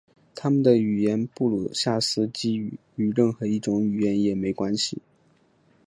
他们的语言布鲁夏斯基语与任何一种语言也没关系。